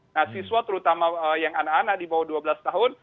nah siswa terutama yang anak anak di bawah dua belas tahun